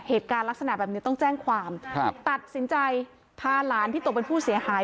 เหตุการณ์ลักษณะแบบนี้ต้องแจ้งความครับตัดสินใจพาหลานที่ตกเป็นผู้เสียหาย